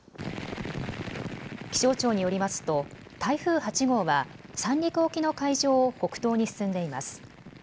気象庁によりますと台風８号は三陸沖の海上を北東に進んでいます。